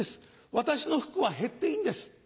私の福は減っていいんです。